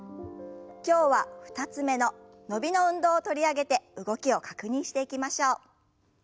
今日は２つ目の伸びの運動を取り上げて動きを確認していきましょう。